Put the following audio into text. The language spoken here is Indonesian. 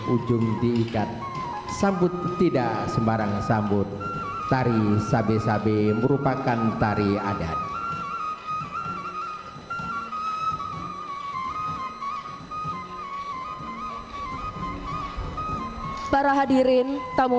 ujung diikat sabut tidak sembarang sambut tari sabe sabe merupakan tari adat para hadirin tamu